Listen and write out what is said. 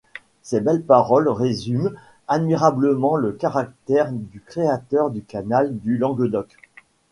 Ces belles paroles résument admirablement le caractère du créateur du canal du Languedoc.